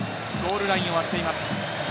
ゴールラインを割っています。